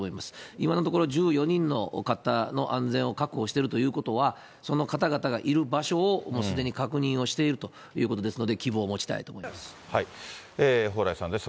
今のところ、１４人の方の安全を確保しているということは、その方々がいる場所をもうすでに確認をしているということですので、蓬莱さんです。